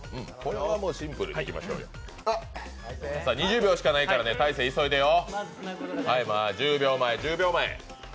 ２０秒しかないからね、大晴、急いでよ。